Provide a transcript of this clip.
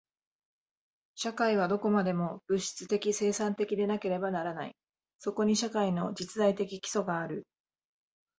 社会はどこまでも物質的生産的でなければならない。そこに社会の実在的基礎がある。